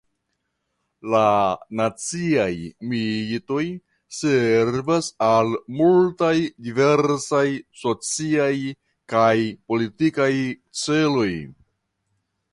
La naciaj mitoj servas al multaj diversaj sociaj kaj politikaj celoj.